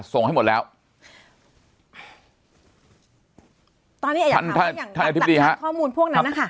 ส่งให้หมดแล้ว